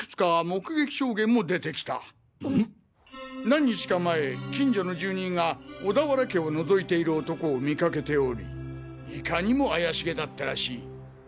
何日か前近所の住人が小田原家をのぞいている男を見かけておりいかにも怪しげだったらしい。